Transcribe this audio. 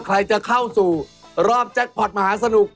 ใครจะเข้าสู่รอบแจ็คพอร์ตมหาสนุก